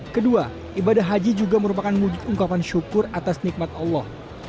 kedua ibadah haji juga merupakan wujud ungkapan syukur atas nikmat allah